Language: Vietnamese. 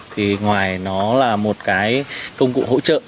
thì ngoài nó là một cái công cụ hỗ trợ